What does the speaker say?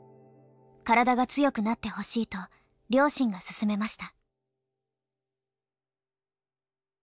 体が強くなってほしいと両親が勧めました。